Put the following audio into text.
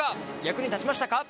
役に立ちましたか？